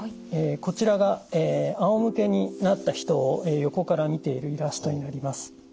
こちらがあおむけになった人を横から見ているイラストになります。